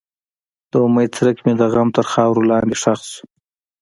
د امید څرک مې د غم تر خاورو لاندې ښخ شو.